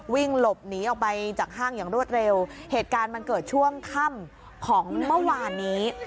วิ่งหลบหนีออกไปจากห้างอย่างรวดเร็วเหตุการณ์มันเกิดช่วงค่ำของเมื่อวานนี้